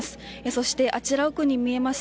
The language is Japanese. そしてあちら、奥に見えます